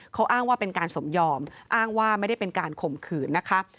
เขาอ้างว่าเป็นการสมยอมอ้างว่าไม่ได้เป็นการข่มขืนนะคะ